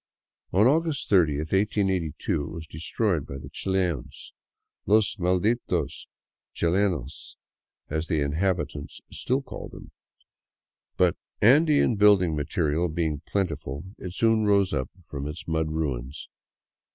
On August 30, 1882, it was destroyed by the Chilians —" los malditos chilenos," as the inhabitants still call them — but Andean building material being plentiful, it soon rose from its mud ruins.